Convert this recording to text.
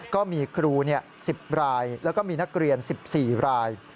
ก็มีครู๑๐รายแล้วก็มีนักเรียน๑๔ราย